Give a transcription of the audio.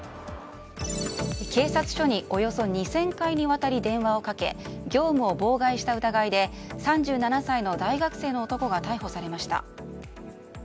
警察署におよそ２０００回にわたり電話をかけ業務を妨害した疑いで３７歳の大学生の男が逮捕されました。